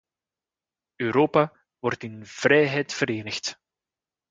Europa wordt in vrijheid verenigd.